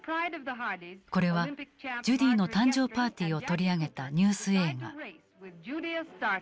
これはジュディの誕生パーティーを取り上げたニュース映画。